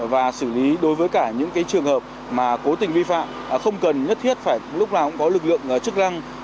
và xử lý đối với cả những trường hợp mà cố tình vi phạm không cần nhất thiết phải lúc nào cũng có lực lượng chức năng